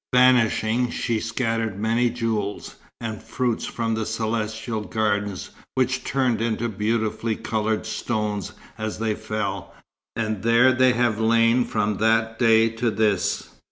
Vanishing, she scattered many jewels, and fruits from the celestial gardens which turned into beautifully coloured stones as they fell, and there they have lain from that day to this.